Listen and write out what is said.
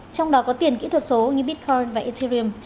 trong đó có tiền kỹ thuật số như bitcoin và ethirime